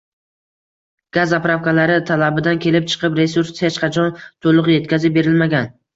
Gaz zapravkalari talabidan kelib chiqib, resurs hech qachon toʻliq yetkazib berilmagan.